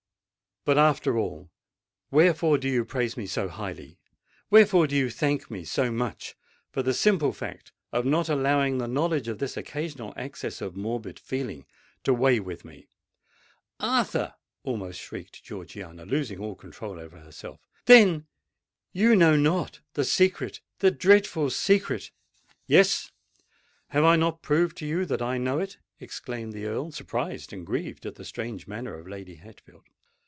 But, after all, wherefore do you praise me so highly—wherefore do you thank me so much for the simple fact of not allowing the knowledge of this occasional access of morbid feeling to weigh with me——" "Arthur!" almost shrieked Georgiana, losing all control over herself; "then, you know not the secret—the dreadful secret——" "Yes: have I not proved to you that I know it?" exclaimed the Earl, surprised and grieved at the strange manner of Lady Hatfield.